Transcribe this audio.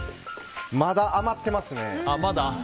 まだ余ってますね。